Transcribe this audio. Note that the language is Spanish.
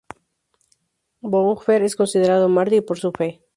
Bonhoeffer es considerado mártir por su fe.